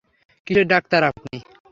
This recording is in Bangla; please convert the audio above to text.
কীসের ডাক্তার আপনি?